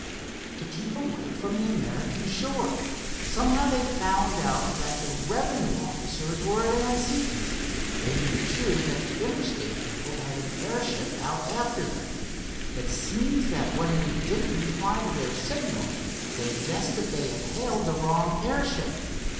"To keep away from the American shore. Somehow, they had found out that the revenue officers were at Anseton. They knew, too, that the Interstate people had an airship out after them. It seems that when we didn't reply to their signal, they guessed that they had hailed the wrong airship.